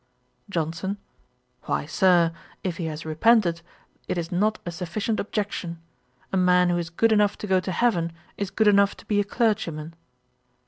JOHNSON. 'Why, Sir, if he has repented, it is not a sufficient objection. A man who is good enough to go to heaven, is good enough to be a clergyman.'